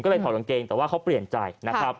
ก็เลยถอดลงเกงแต่ว่าเขาเปลี่ยนใจ